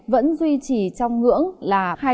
vẫn duy trì trong ngưỡng là